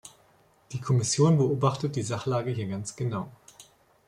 Die Kommission beobachtet die Sachlage hier ganz genau.